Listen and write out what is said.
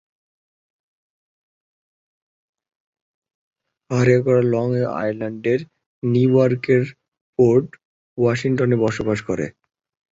অরেহকেরা long আইল্যান্ডের new ইয়র্কের port ওয়াশিংটনে বসবাস করে।